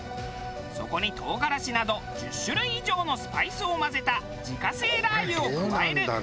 そこに唐辛子など１０種類以上のスパイスを混ぜた自家製ラー油を加える。